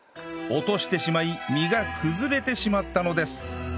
落としてしまい身が崩れてしまったのです